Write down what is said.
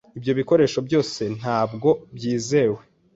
Ibyo bikoresho byose ntabwo byizewe.